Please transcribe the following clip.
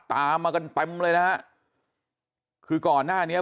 ตามมากันแป๊บเลยนะครับคือก่อนหน้านี้